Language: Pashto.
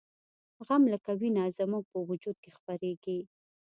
غم لکه وینه زموږ په وجود کې خپریږي